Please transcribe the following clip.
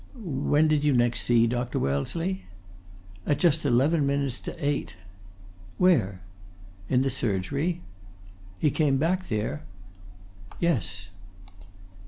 "When did you next see Dr. Wellesley?" "At just eleven minutes to eight." "Where?" "In the surgery." "He came back there?" "Yes."